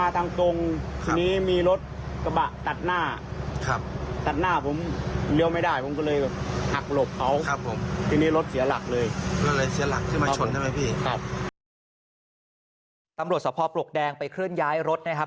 สภาพปลวกแดงไปเคลื่อนย้ายรถนะครับ